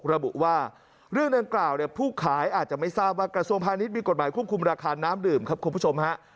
ระบุว่าเรื่องดังกล่าวเนี่ยผู้ขายอาจจะไม่ทราบว่ากระทรวงพาณิชย์มีกฎหมายควบคุมราคาน้ำดื่มครับคุณผู้ชมฮะ